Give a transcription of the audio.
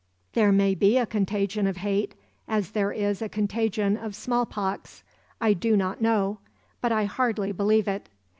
There may be a contagion of hate as there is a contagion of smallpox; I do not know, but I hardly believe it.